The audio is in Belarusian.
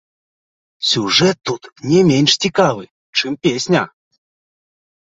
Сюжэт тут не менш цікавы, чым песня.